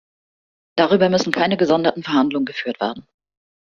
Darüber müssen keine gesonderten Verhandlungen geführt werden.